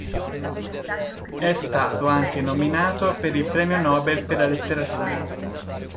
È stato anche nominato per il Premio Nobel per la Letteratura.